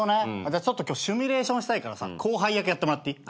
じゃちょっと今日シミュレーションしたいからさ後輩役やってもらっていい？